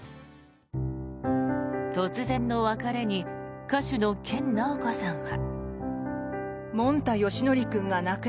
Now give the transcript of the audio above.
突然の別れに歌手の研ナオコさんは。